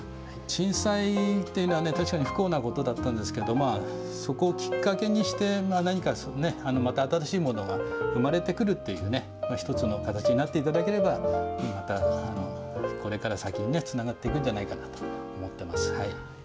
震災というのは、確かに不幸なことだったんですけど、そこをきっかけにして、何かまた新しいものが生まれてくるという一つの形になっていただければ、またこれから先につながっていくんじゃないかなと思っています。